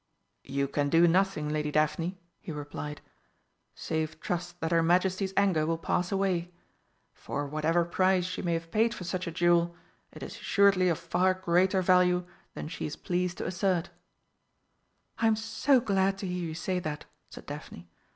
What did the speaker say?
"You can do nothing, Lady Daphne," he replied, "save trust that her Majesty's anger will pass away. For whatever price she may have paid for such a jewel, it is assuredly of far greater value than she is pleased to assert." "I'm so glad to hear you say that!" said Daphne.